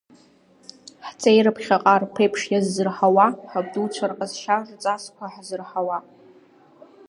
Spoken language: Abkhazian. Ҳҵеира ԥхьаҟа рԥеиԥш иаззырҳауа, ҳабдуцәа рҟазшьа рҵасқәа ҳзырҳауа.